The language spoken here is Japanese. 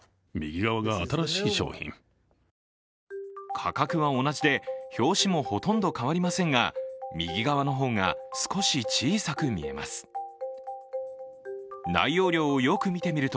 価格は同じで、表紙もほとんど変わりませんが、右側の方が少し小さく見えます。